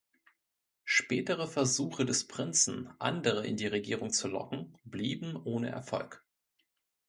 Spätere Versuche des Prinzen, andere in die Regierung zu locken, blieben ohne Erfolg.